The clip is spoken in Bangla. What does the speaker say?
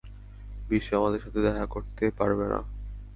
বিশু আমাদের সাথে দেখা করতে পারবে না।